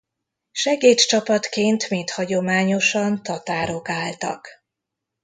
Segédcsapatként mint hagyományosan tatárok álltak.